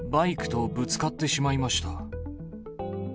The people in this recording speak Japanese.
バイクとぶつかってしまいま